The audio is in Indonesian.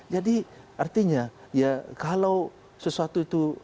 jadi artinya ya kalau sesuatu itu